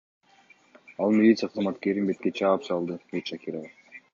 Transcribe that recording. Ал милиция кызматкерин бетке чаап салды, — дейт Шакирова.